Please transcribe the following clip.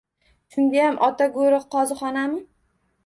Shungayam ota go‘ri qozixonami?